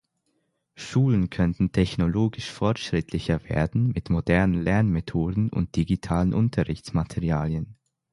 Schulen könnten technologisch fortschrittlicher werden, mit modernen Lernmethoden und digitalen Unterrichtsmaterialien.